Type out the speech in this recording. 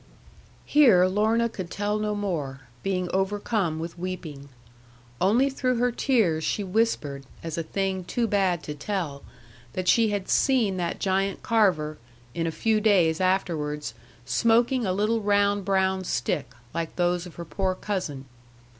Here Lorna Doone could tell no more, being overcome with weeping. Only through her tears she whispered, as a thing too bad to tell, that she had seen that giant Carver, in a few days afterwards, smoking a little round brown stick, like those of her poor cousin.